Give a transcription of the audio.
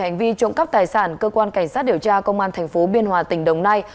hành vi trộm cắp tài sản cơ quan cảnh sát điều tra công an thành phố biên hòa tỉnh đồng nai